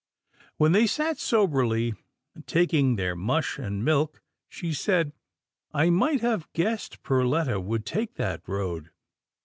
When they sat soberly taking their mush and milk, she said, " I might have guessed Perletta would take that road.